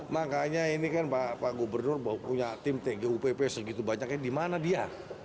makanya ini kan pak gubernur punya tim tgupp segitu banyaknya di mana dia